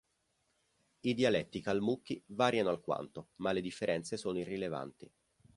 I dialetti calmucchi variano alquanto, ma le differenze sono irrilevanti.